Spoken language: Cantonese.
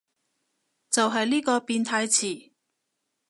就係呢個變態詞